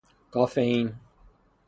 کافئین